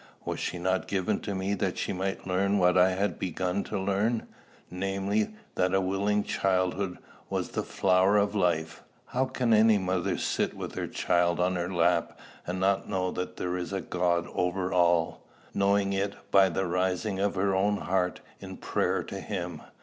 Was she not given to me that she might learn what I had begun to learn, namely, that a willing childhood was the flower of life? How can any mother sit with her child on her lap and not know that there is a God over all, know it by the rising of her own heart in prayer to him?